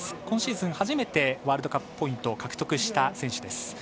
今シーズン、初めてワールドカップポイントを獲得した選手です。